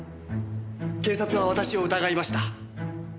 警察は私を疑いました。